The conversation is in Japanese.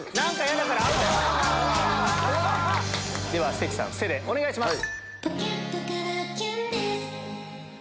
関さん「せ」でお願いします。